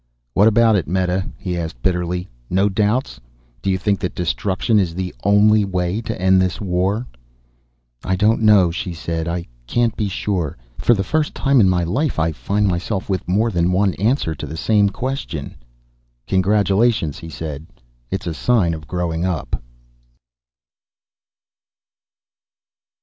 "What about it, Meta?" he asked bitterly. "No doubts? Do you think that destruction is the only way to end this war?" "I don't know," she said. "I can't be sure. For the first time in my life I find myself with more than one answer to the same question." "Congratulations," he said. "It's a sign of growing up."